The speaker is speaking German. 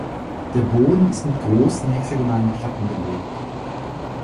Der Boden ist mit großen hexagonalen Platten belegt.